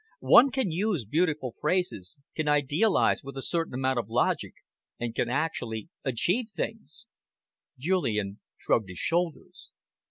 One can use beautiful phrases, can idealise with a certain amount of logic, and can actually achieve things." Julian shrugged his shoulders.